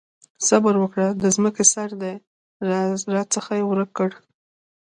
صبره وکړه! د ځمکې سر دې راڅخه ورک کړ.